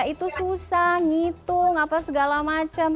matematika itu susah ngitung apa segala macem